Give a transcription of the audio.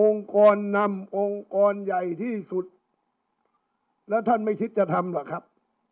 กรนำองค์กรใหญ่ที่สุดแล้วท่านไม่คิดจะทำหรอกครับ